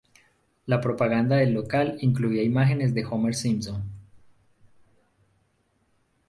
La propaganda del local incluía imágenes de Homer Simpson.